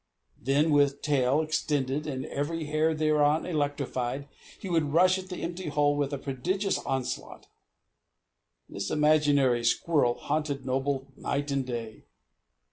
Then, with tail extended, and every hair thereon electrified, he would rush at the empty hole with a prodigious onslaught. This imaginary squirrel haunted Noble night and day.